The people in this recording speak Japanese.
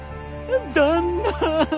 旦那！